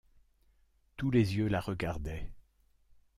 Tous les yeux la regardaient.